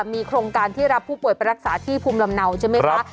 มีโครงการที่รับผู้ป่วยไปรักษาที่ภูมิลำเนาใช่ไหมคะ